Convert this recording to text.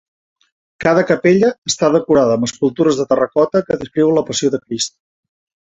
Cada capella està decorada amb escultures de terracota que descriuen la Passió de Crist.